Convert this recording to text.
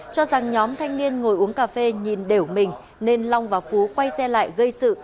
cho rằng nhóm thanh niên ngồi uống cà phê nhìn đều mình nên long và phú quay xe lại gây sự